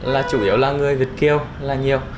là chủ yếu là người việt kiều là nhiều